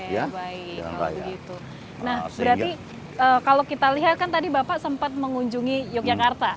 nah berarti kalau kita lihat kan tadi bapak sempat mengunjungi yogyakarta